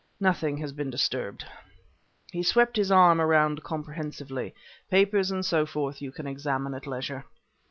"Nothing has been disturbed;" he swept his arm around comprehensively "papers and so forth you can examine at leisure."